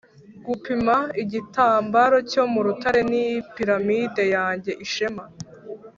gupima igitambaro cyo mu rutare, ni piramide yanjye ishema;